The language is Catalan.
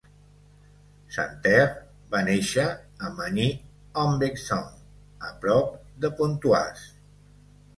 Santerre va néixer a Magny-en-Vexin, a prop de Pontoise.